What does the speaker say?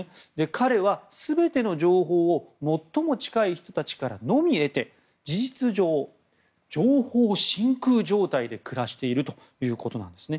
彼は全ての情報を最も近い人たちからのみ得て事実上、情報真空状態で暮らしているということなんですね。